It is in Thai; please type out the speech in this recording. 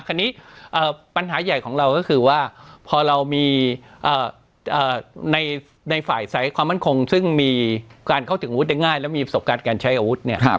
คราวนี้ปัญหาใหญ่ของเราก็คือว่าพอเรามีในฝ่ายสายความมั่นคงซึ่งมีการเข้าถึงอาวุธได้ง่ายแล้วมีประสบการณ์การใช้อาวุธเนี่ย